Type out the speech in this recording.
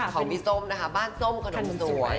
ของพี่ส้มนะคะบ้านส้มขนมสวย